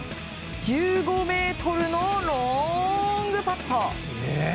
１５ｍのロングパット。